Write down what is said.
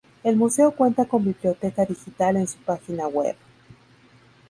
El museo cuenta con Biblioteca Digital en su página web.